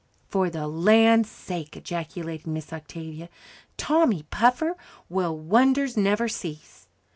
"For the land's sake!" ejaculated Miss Octavia. "Tommy Puffer! Well, wonders will never cease."